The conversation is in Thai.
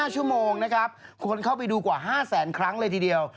๕ชั่วโมงนะครับคนเข้าไปดูกว่า๕แสนครั้งเลยทีเดียว